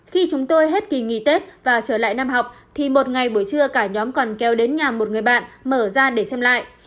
khi chúng tôi hết kỳ nghỉ tết và trở lại năm học thì một ngày buổi trưa cả nhóm còn kéo đến nhà một người bạn mở ra để xem lại